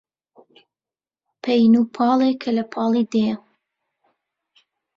پەین و پاڵێ کە لە پاڵی دێیە